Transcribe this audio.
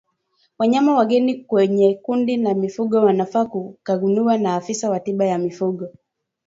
Wanyama wageni kwenye kundi la mifugo wanafaa kukaguliwa na afisa wa tiba ya mifugo